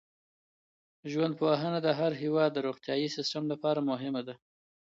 ژوندپوهنه د هر هېواد د روغتیايي سیسټم لپاره مهمه ده.